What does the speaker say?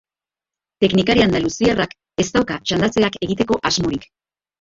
Teknikari andaluziarrak ez dauka txandatzeak egiteko asmorik.